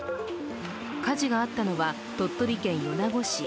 火事があったのは鳥取県米子市。